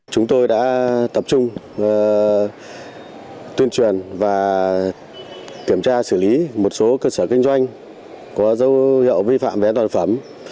chúng tôi đã tập trung tuyên truyền và kiểm tra xử lý một số cơ sở kinh doanh có dấu hiệu vi phạm về an toàn phẩm